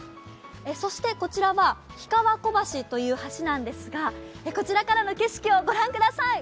そしてこちらは氷川小橋という橋なんですがこちらからの景色を御覧ください。